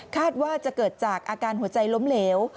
ว่าจะเกิดจากอาการหัวใจล้มเหลว